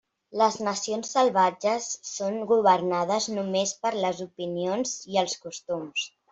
Les nacions salvatges són governades només per les opinions i els costums.